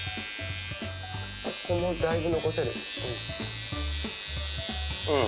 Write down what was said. ここもだいぶ残せる。